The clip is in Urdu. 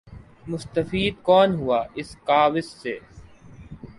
مستفید کون ہوا اس کاؤس سے ۔